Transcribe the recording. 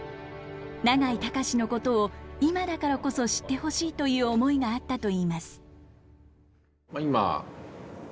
永井隆のことを今だからこそ知ってほしいという思いがあったといいます。